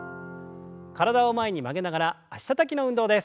体を前に曲げながら脚たたきの運動です。